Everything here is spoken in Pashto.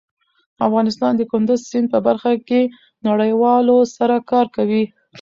افغانستان د کندز سیند په برخه کې نړیوالو سره کار کوي.